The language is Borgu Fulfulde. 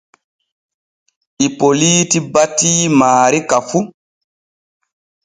Ipoliiti batii maari ka fu.